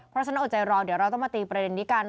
เพราะฉะนั้นอดใจรอเดี๋ยวเราต้องมาตีประเด็นนี้กัน